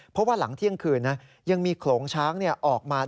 เพราะว่าหลังเที่ยงคืนนะยังมีโขลงช้างออกมา